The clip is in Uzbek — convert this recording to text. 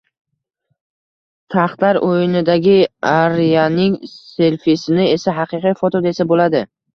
Taxtlar o‘yinidagi Aryaning selfisini esa haqiqiy foto desa bo‘ladi